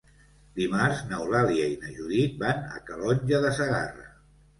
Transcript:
Dimarts n'Eulàlia i na Judit van a Calonge de Segarra.